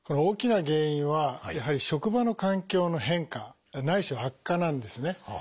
大きな原因はやはり職場環境の変化ないしは悪化なんですね。